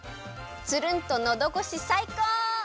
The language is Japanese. つるんとのどごしさいこう！